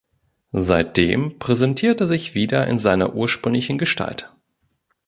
Seitdem präsentiert er sich wieder in seiner ursprünglichen Gestalt.